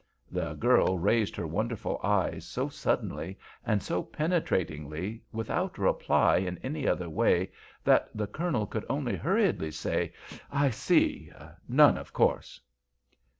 The girl raised her wonderful eyes so suddenly and so penetratingly without reply in any other way that the Colonel could only hurriedly say: "I see! None, of course!"